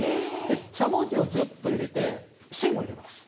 しゃもじをズッと入れて線を入れます。